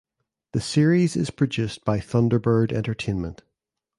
The series is produced by Thunderbird Entertainment.